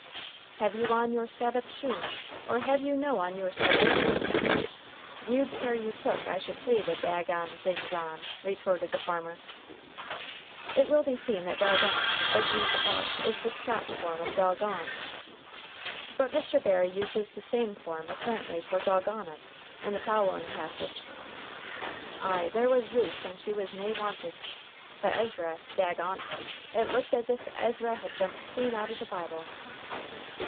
'" "'Have you on your Sabbath shoon or have you no on your Sabbath shoon?' 'Guid care you took I should ha'e the dagont things on!' retorted the farmer." It will be seen that "dagont," as used above, is the Scotch form of "dog oned." But Mr. Barrie uses the same form apparently for "dog on it" in the following passage: "Ay, there was Ruth when she was na wanted, but Ezra, dagont, it looked as if Ezra had jumped clean out o' the Bible!"